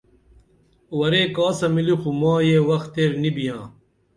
ورے کاسہ ملی خو ماں یہ وخ تیر نی بیاں